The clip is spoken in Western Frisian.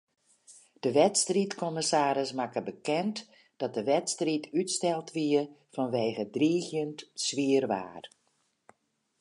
De wedstriidkommissaris makke bekend dat de wedstriid útsteld wie fanwege driigjend swier waar.